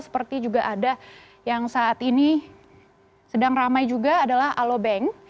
seperti juga ada yang saat ini sedang ramai juga adalah alobank